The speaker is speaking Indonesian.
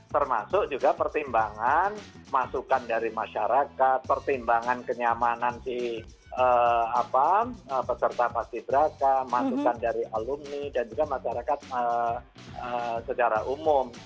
termasuk juga pertimbangan masukan dari masyarakat pertimbangan kenyamanan si peserta paski beraka masukan dari alumni dan juga masyarakat secara umum